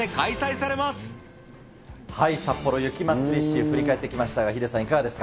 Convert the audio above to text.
さっぽろ雪まつり史、振り返ってきましたが、ヒデさん、いかがですか。